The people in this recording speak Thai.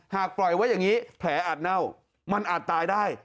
ปล่อยไว้อย่างนี้แผลอาจเน่ามันอาจตายได้